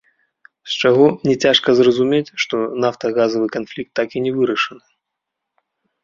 З чаго няцяжка зразумець, што нафтагазавы канфлікт так і не вырашаны.